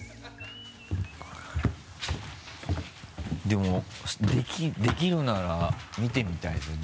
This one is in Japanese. でもできるなら見てみたいですね。